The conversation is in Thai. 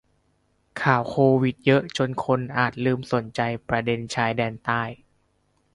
ข่าวโควิดเยอะจนคนอาจลืมสนใจประเด็นชายแดนใต้